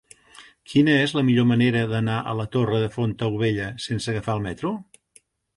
Quina és la millor manera d'anar a la Torre de Fontaubella sense agafar el metro?